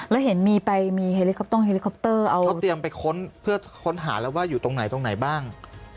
แล้วเห็นมีไปมีเฮลิคอปเตอร์เฮลิคอปเตอร์เอาเขาเตรียมไปค้นเพื่อค้นหาแล้วว่าอยู่ตรงไหนตรงไหนบ้าง